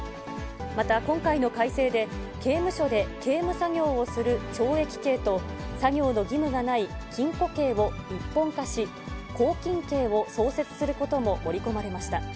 また今回の改正で、刑務所で刑務作業をする懲役刑と、作業の義務がない禁錮刑を一本化し、拘禁刑を創設することも盛り込まれました。